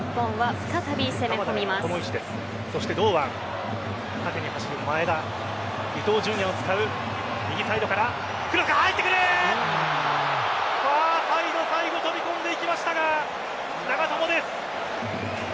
ファーサイド最後飛び込んでいきましたが長友です。